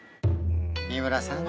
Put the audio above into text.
三村さん